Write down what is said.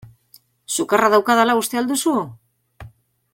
Sukarra daukadala uste al duzu?